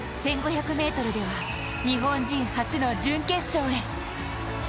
１５００ｍでは日本人初の準決勝へ。